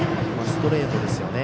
ストレートですよね。